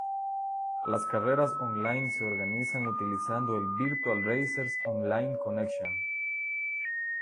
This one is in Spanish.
Las carreras online se organizan utilizando el Virtual Racers Online Connection.